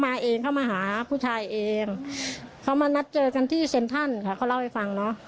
คุยกับผู้ชายก็พูดแบบนี้ค่ะ